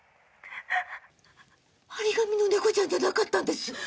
貼り紙の猫ちゃんじゃなかったんです。